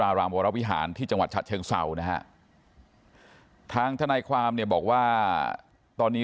ครอบครัวไม่ได้อาฆาตแต่มองว่ามันช้าเกินไปแล้วที่จะมาแสดงความรู้สึกในตอนนี้